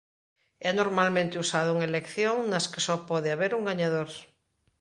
É normalmente usado en elección nas que só pode haber un gañador.